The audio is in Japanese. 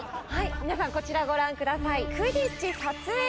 皆さんこちらご覧ください。